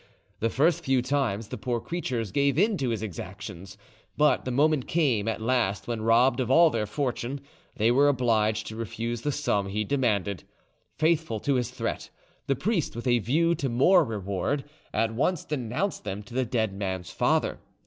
The first few times the poor creatures gave in to his exactions; but the moment came at last when, robbed of all their fortune, they were obliged to refuse the sum he demanded. Faithful to his threat, the priest, with a view to more reward, at once denounced them to the dead man's father.